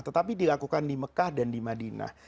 tetapi dilakukan di mekah dan di madinah